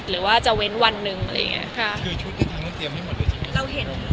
เราเห็นแล้ว